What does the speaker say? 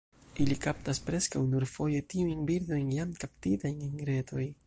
Ili kaptas preskaŭ nur foje tiujn birdojn jam kaptitajn en retoj.